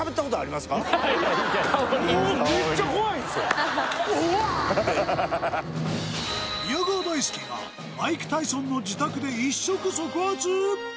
顔にもう宮川大輔がマイク・タイソンの自宅で一触即発！？